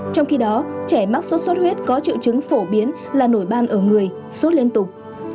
trong khi đó trẻ mắc sốt xuất huyết có triệu chứng phổ biến là nổi ban ở người sốt liên tục